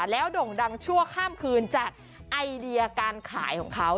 แล้วโด่งดังชั่วข้ามคืนจากไอเดียการขายของเขา